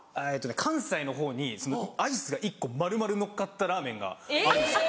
関西のほうにアイスが１個丸々のっかったラーメンがあるんですよ。